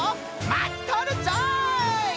まっとるぞい！